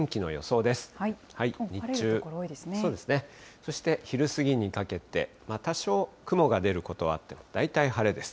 そして昼過ぎにかけて、多少雲が出ることはあっても大体晴れです。